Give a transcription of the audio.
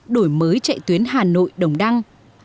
đổi mới chạy tuyến hà nội đồng đăng